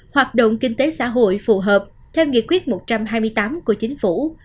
hoạt động kinh tế xã hội phù hợp theo nghị quyết một trăm hai mươi tám của chính phủ